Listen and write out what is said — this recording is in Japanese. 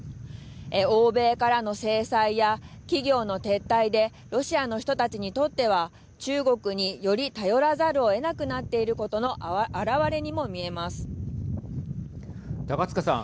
欧米からの制裁や企業の撤退でロシアの人たちにとっては中国に、より頼らざるをえなくなっていることの高塚さん。